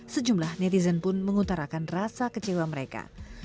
sejumlah netizen pun mengutarakan rasa kecewa mereka